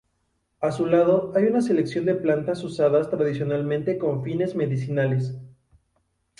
A su lado hay una selección de plantas usadas tradicionalmente con fines medicinales.